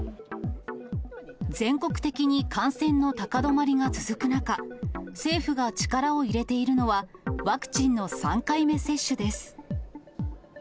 全国的に感染の高止まりが続く中、政府が力を入れているのは、ワクチンの３回目接種です。